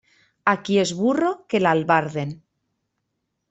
A qui és burro, que l'albarden.